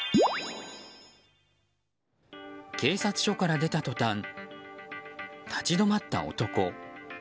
警察署から出た途端立ち止まった男。